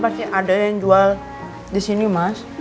kok pasti ada yang jual disini mas